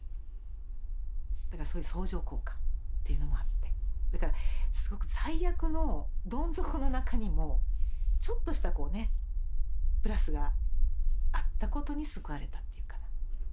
だからそういう相乗効果っていうのもあってだからすごく最悪のどん底の中にもちょっとしたこうねプラスがあったことに救われたっていうかな。